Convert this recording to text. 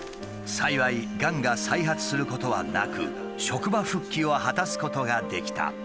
幸いがんが再発することはなく職場復帰を果たすことができた。